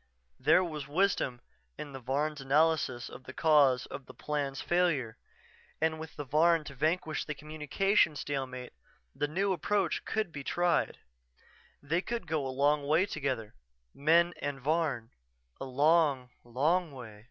_" There was wisdom in the Varn's analysis of the cause of the Plan's failure and with the Varn to vanquish the communication stalemate, the new approach could be tried. They could go a long way together, men and Varn, a long, long way....